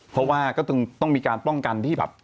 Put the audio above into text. เพราะว่าก็ต้องมีการป้องกันที่แบบ